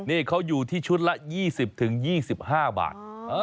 นี่เขาอยู่ที่ชุดละ๒๐๒๕บาท